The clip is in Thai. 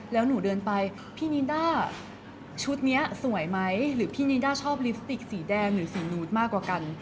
แล้วหนูเดินไปพี่นิด้าชุดนี้สวยไหมหรือพี่นิด้าชอบลิปสติกสีแดงหรือสีนูดมากกว่ากัน